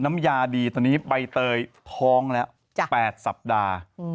น้ำยาดีตอนนี้ใบเตยท้องแล้ว๘สัปดาห์